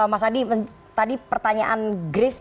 mas adi tadi pertanyaan grace